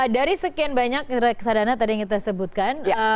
dari sekian banyak reksadana tadi yang kita sebutkan